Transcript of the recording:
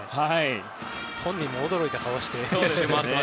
本人も驚いた顔して。